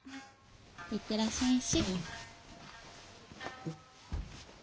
いってらっしゃいんし。